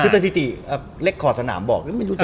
สติดีเล็กขอดสนามบอก